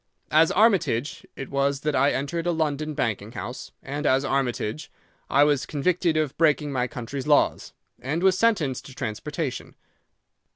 As Armitage it was that I entered a London banking house, and as Armitage I was convicted of breaking my country's laws, and was sentenced to transportation.